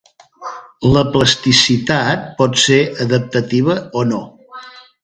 La plasticitat pot ser adaptativa o no.